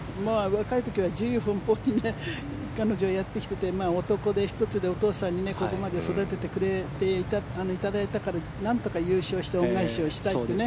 若い時は自由奔放に彼女はやってきてて、男手一つでお父さんにここまで育てていただいたからなんとか優勝して恩返しをしたいって。